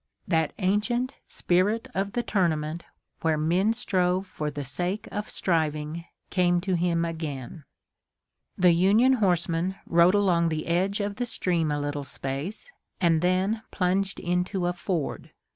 That ancient spirit of the tournament, where men strove for the sake of striving, came to him again. The Union horsemen rode along the edge of the stream a little space, and then plunged into a ford.